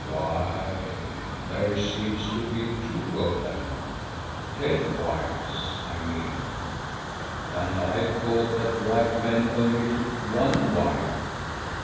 Why, there seems to be two of them, head wives, I mean, and I thought that white men only took one wife.